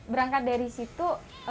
berangkat dari situ